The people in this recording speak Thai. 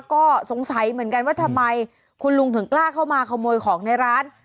ก็สงสัยเหมือนกันว่าทำไมคุณลุงถึงกล้าเข้ามาขโมยของในร้าน